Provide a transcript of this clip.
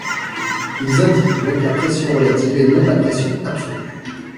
Ils indiquent donc la pression relative et non la pression absolue.